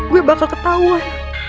gue bakal ketauan